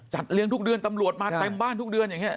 เลี้ยงทุกเดือนตำรวจมาเต็มบ้านทุกเดือนอย่างนี้